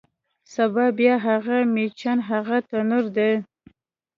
سبا بیا هغه میچن، هغه تنور دی